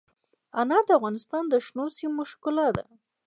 انار د افغانستان د شنو سیمو ښکلا ده.